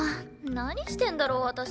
何してんだろう私。